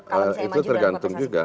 ya itu tergantung juga